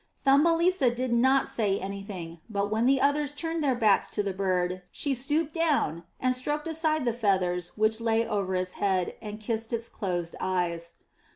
'' Thumbelisa did not say anything, but when the others turned their backs to the bird, she stooped down and stroked aside the feathers which lay over its head, and kissed its closed eyes.